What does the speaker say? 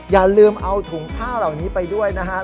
อย่าลืมเอาถุงผ้าเหล่านี้ไปด้วยนะครับ